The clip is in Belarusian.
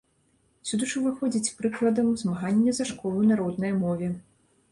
Сюды ж уваходзіць, прыкладам, змаганне за школу на роднае мове.